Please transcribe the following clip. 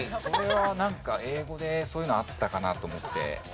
これはなんか英語でそういうのあったかなと思って。